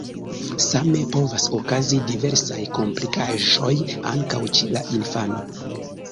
Same povas okazi diversaj komplikaĵoj ankaŭ ĉe la infano.